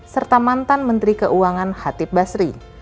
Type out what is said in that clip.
serta mantan menteri keuangan hatib basri